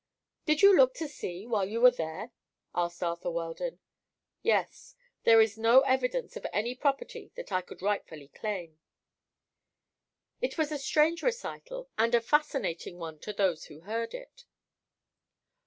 "Did you look to see, while you were there?" asked Arthur Weldon. "Yes. There is no evidence of any property that I could rightfully claim." It was a strange recital, and a fascinating one to those who heard it.